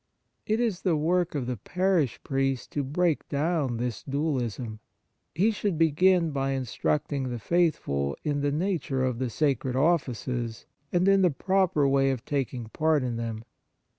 It is the work of the parish priest to break down this dualism. He should begin by instructing the faithful in the nature of the sacred 49 D On the Exercises of Piety offices and in the proper way of taking part in them.